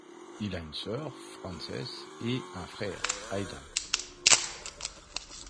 Il a une sœur, Frances et un frère, Aidan.